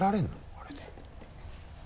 あれで。